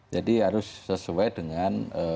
jadi harus sesuai dengan